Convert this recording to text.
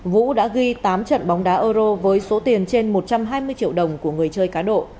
vũ đã ghi tám trận bóng đá euro với số tiền trên một trăm hai mươi triệu đồng của người chơi cá độ